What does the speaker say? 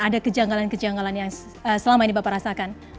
ada kejanggalan kejanggalan yang selama ini bapak rasakan